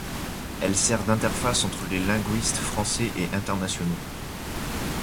Elle sert d'interface entre les linguistes français et internationaux.